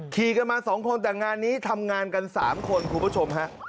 ขี่กันมา๒คนแต่งานนี้ทำงานกัน๓คนคุณผู้ชมฮะ